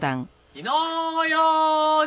火の用心！